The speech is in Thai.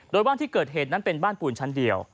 โดยบ้านที่เกิดเหตุนั้นเป็นบ้านปูนชั้นเดียว